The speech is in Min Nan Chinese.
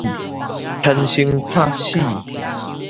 貪生怕死